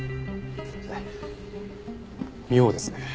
妙ですね。